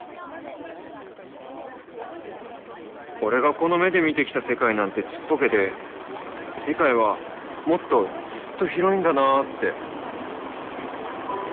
プロペラ音俺がこの目で見て来た世界なんてちっぽけで世界はもっとずっと広いんだなって。